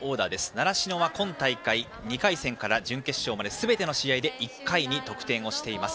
習志野は今大会２回戦から準決勝まですべての試合で１回に得点をしています。